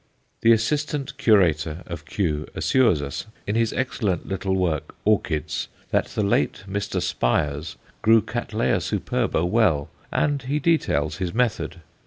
The Assistant Curator of Kew assures us, in his excellent little work, "Orchids," that the late Mr. Spyers grew C. superba well, and he details his method.